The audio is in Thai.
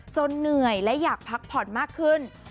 เหนื่อยและอยากพักผ่อนมากขึ้น